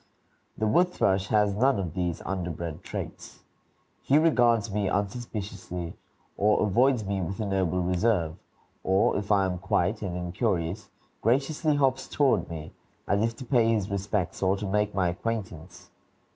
The wood thrush has none of these underbred traits. He regards me unsuspiciously, or avoids me with a noble reserve or, if I am quiet and incurious, graciously hops toward me, as if to pay his respects, or to make my acquaintance.